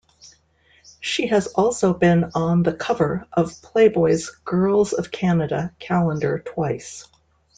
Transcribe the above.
She has also been on the cover of Playboy's Girls of Canada calendar twice.